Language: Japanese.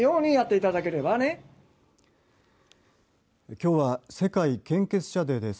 きょうは世界献血者デーです。